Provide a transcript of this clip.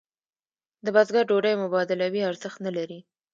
د بزګر ډوډۍ مبادلوي ارزښت نه لري.